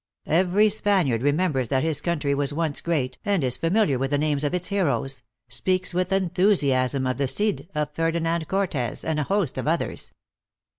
Every Spaniard re members that his country was once great, and is fam iliar with the names of its heroes ; speaks with enthu siasm of the Cid, of Ferdinand Cortes, and a host of others.